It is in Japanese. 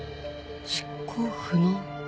執行不能？